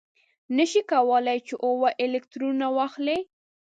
نه شي کولای چې اوه الکترونه واخلي.